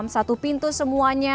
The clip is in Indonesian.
satu pintu semuanya